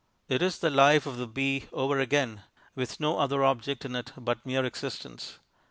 It is the Life of the Bee over again, with no other object in it but mere existence.